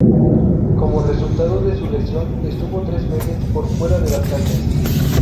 Como resultado de su lesión estuvo tres meses por fuera de las canchas.